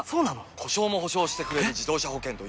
故障も補償してくれる自動車保険といえば？